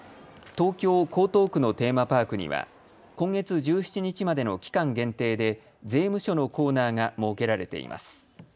東京江東区のテーマパークには今月１７日までの期間限定で税務署のコーナーが設けられています。